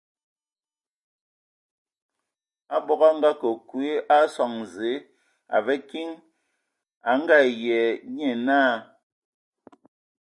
Abog a ngakǝ kwi a sɔŋ Zǝə, a və kiŋ, a Ngayia, nye naa.